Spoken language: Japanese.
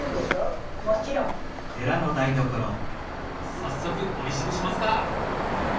早速おいしくしますか！